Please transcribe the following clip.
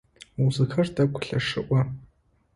Музыкэр тӏэкӏу лъэшыӏо.